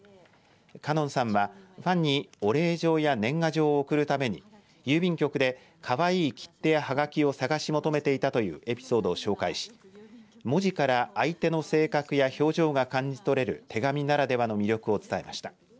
花音さんはファンにお礼状や年賀状を送るために郵便局でかわいい切手やはがきを探し求めていたというエピソードを紹介し文字から相手の性格や表情が感じ取れる手紙ならではの魅力を伝えました。